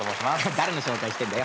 誰の紹介してんだよ。